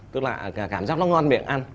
tức là cảm giác nó ngon miệng ăn